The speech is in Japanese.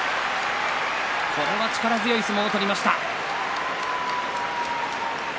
これは力強い相撲を取りました。